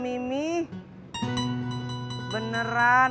pipih juga pengen pulang